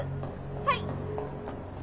はい！